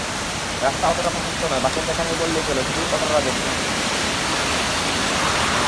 রাস্তা অতটা প্রশস্ত নয়, বাসের দেখা নেই বললেই চলে, শুধুই অটোর রাজত্ব।